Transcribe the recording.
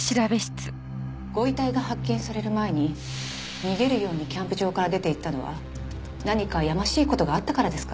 ご遺体が発見される前に逃げるようにキャンプ場から出て行ったのは何かやましい事があったからですか？